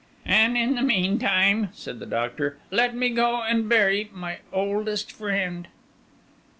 "And in the meantime," said the Doctor, "let me go and bury my oldest friend."